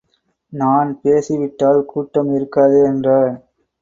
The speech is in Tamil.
நான் பேசிவிட்டால் கூட்டம் இருக்காதே என்றார்.